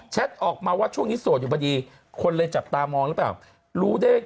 แชทออกมาว่าช่วงนี้โสดอยู่ประดีคนเลยจับตามองแล้วเปล่า